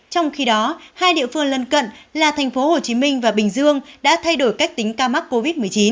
trong khi đó hai địa phương lân cận là tp hcm và bình dương đã thay đổi cách tính ca mắc covid một mươi chín